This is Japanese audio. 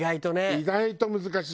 意外と難しい！